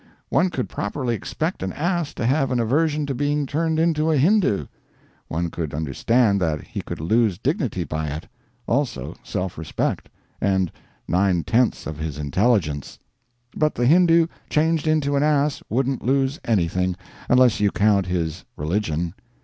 One could properly expect an ass to have an aversion to being turned into a Hindoo. One could understand that he could lose dignity by it; also self respect, and nine tenths of his intelligence. But the Hindoo changed into an ass wouldn't lose anything, unless you count his religion.